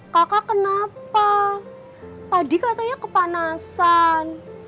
kakak kenapa tadi katanya kepanasan